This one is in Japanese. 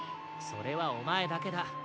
それはおまえだけだ。